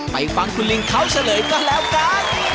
ฟังคุณลิงเขาเฉลยก็แล้วกัน